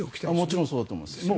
もちろんそうだと思います。